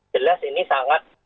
jelas ini sangat